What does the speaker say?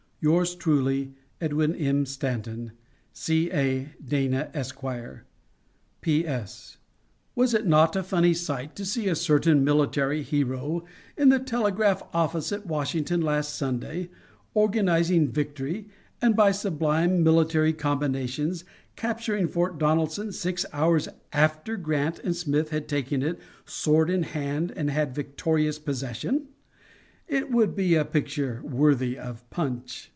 Yours truly, EDWIN M. STANTON. C. A. DANA, Esq. P.S. Was it not a funny sight to see a certain military hero in the telegraph office at Washington last Sunday organizing victory, and by sublime military combinations capturing Fort Donelson six hours after Grant and Smith had taken it sword in hand and had victorious possession! It would be a picture worthy of Punch.